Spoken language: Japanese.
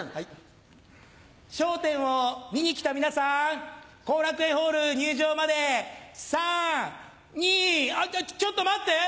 『笑点』を見に来た皆さん後楽園ホール入場まで３・２あっちょっと待って！